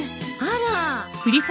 あら。